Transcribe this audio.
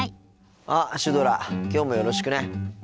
あっシュドラきょうもよろしくね。